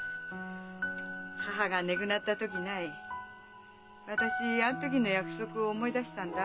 母が亡ぐなった時ない私あん時の約束を思い出したんだ。